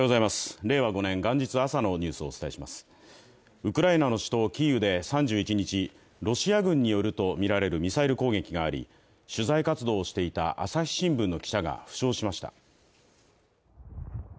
ウクライナの首都キーウで３１日、ロシア軍によるとみられるミサイル攻撃があり取材活動をしていた朝日新聞の記者が負傷しました。